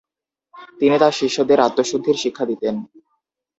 তিনি তাঁর শিষ্যদের আত্মশুদ্ধির শিক্ষা দিতেন।